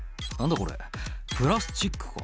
これプラスチックか」